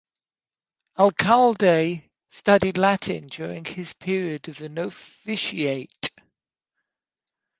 Alcalde studied Latin during his period of the novitiate.